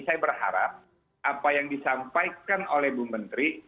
saya berharap apa yang disampaikan oleh bu menteri